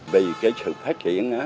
vì cái sự phát triển